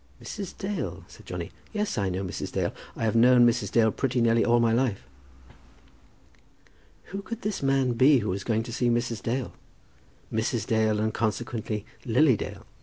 "Mrs. Dale?" said Johnny. "Yes, I know Mrs. Dale. I have known Mrs. Dale pretty nearly all my life." Who could this man be who was going down to see Mrs. Dale, Mrs. Dale, and consequently, Lily Dale?